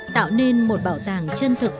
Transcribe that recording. tạo nên một bảo tàng chân thực